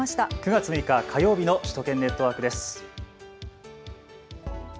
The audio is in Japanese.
９月６日、火曜日の首都圏ネットワークです。